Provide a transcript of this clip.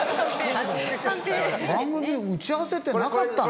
番組打ち合わせてなかったの？